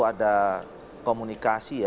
ada komunikasi ya